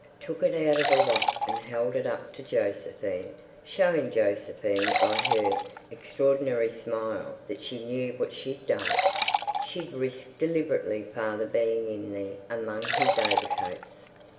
Took it out of the lock and held it up to Josephine, showing Josephine by her extraordinary smile that she knew what she'd done—she'd risked deliberately father being in there among his overcoats.